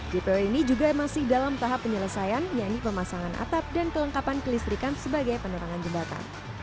jpo ini juga masih dalam tahap penyelesaian yaitu pemasangan atap dan kelengkapan kelistrikan sebagai penerangan jembatan